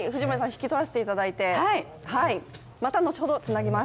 引き取らせていただいてまた後ほどつなぎます。